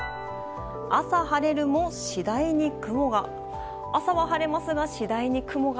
朝晴れるも、次第に雲が。